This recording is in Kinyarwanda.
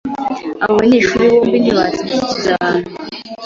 Abo banyeshuri bombi ntibatsinze ikizamini.